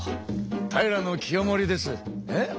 平清盛です。え？